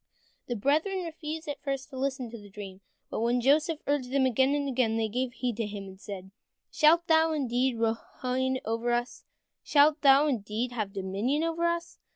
" The brethren refused at first to listen to the dream, but when Joseph urged them again and again, they gave heed to him, and they said, "Shalt thou indeed reign over us? or shalt thou indeed have dominion over us?"